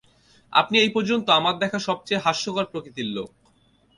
আপনি এই পর্যন্ত আমার দেখা সবচেয়ে হাস্যকর প্রকৃতির লোক।